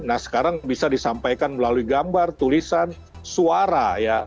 nah sekarang bisa disampaikan melalui gambar tulisan suara ya